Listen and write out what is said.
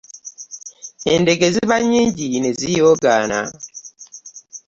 Endege ziba nnyingi ne ziyoogaana.